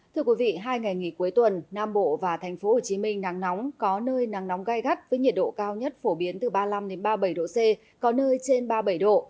thưa quý vị hai ngày nghỉ cuối tuần nam bộ và tp hcm nắng nóng có nơi nắng nóng gai gắt với nhiệt độ cao nhất phổ biến từ ba mươi năm ba mươi bảy độ c có nơi trên ba mươi bảy độ